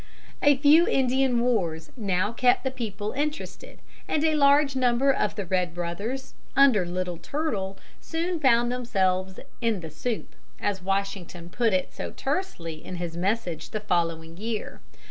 A few Indian wars now kept the people interested, and a large number of the red brothers, under Little Turtle, soon found themselves in the soup, as Washington put it so tersely in his message the following year.